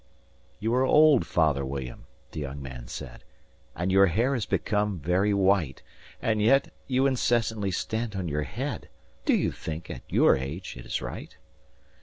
"YOU are old, father William," the young man said, "And your hair has become very white; And yet you incessantly stand on your head Do you think, at your age, it is right?